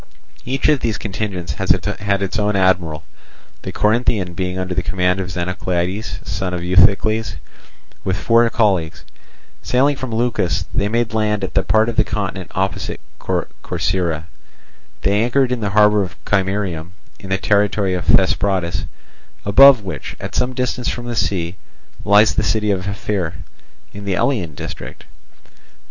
Each of these contingents had its own admiral, the Corinthian being under the command of Xenoclides, son of Euthycles, with four colleagues. Sailing from Leucas, they made land at the part of the continent opposite Corcyra. They anchored in the harbour of Chimerium, in the territory of Thesprotis, above which, at some distance from the sea, lies the city of Ephyre, in the Elean district.